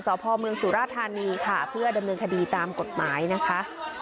สพเมืองสุราธานีค่ะเพื่อดำเนินคดีตามกฎหมายนะคะ